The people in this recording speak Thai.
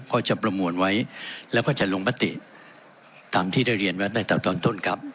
ก็จะประมวลไว้แล้วก็จะลงมติตามที่ได้เรียนไว้ตั้งแต่ตอนต้นครับ